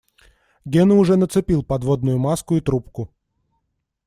Гена уже нацепил подводную маску и трубку.